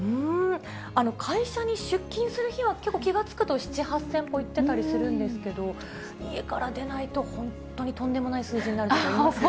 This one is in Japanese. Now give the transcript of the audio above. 会社に出勤する日は、結構、気が付くと７、８０００歩行ってたりするんですけれども、家から出ないと、本当にとんでもない数字になることありますよね。